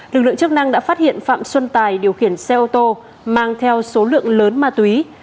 lực lượng chức năng đã phát hiện phạm xuân tài điều khiển xe ô tô mang theo số lượng lớn ma túy